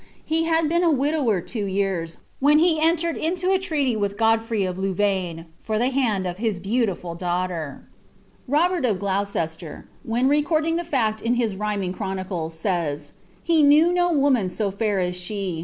He had been a widower iwo vears, when he entered into a treaty with Godfrey of Louvaine {at iha hand of his beautiful daughter. Robert of Gloucester, when recording the fscl in his rhyming dm^ mele, says, " Bo knew no woman tn fair ai ibo 'Bucknpi'i Trcpliif*.